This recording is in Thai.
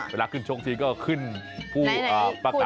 เวลาขึ้นชกทีก็ขึ้นผู้ประกาศ